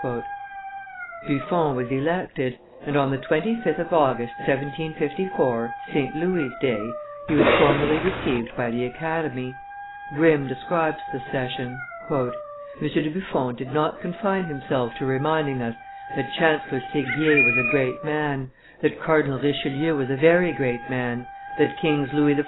Buffon was elected, and on the 25th of August, 1754, St. Louis' day, he was formally received by the Academy; Grimm describes the session. "M. de Buffon did not confine himself to reminding us that Chancellor Seguier was a great man, that Cardinal Richelieu was a very great man, that Kings Louis XIV.